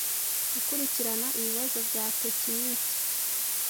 gukurikirana ibibazo bya tekiniki